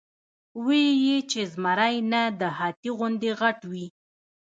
وې ئې چې زمرے نۀ د هاتي غوندې غټ وي ،